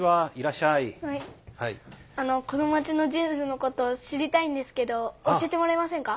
このまちのジーンズのことを知りたいんですけど教えてもらえませんか？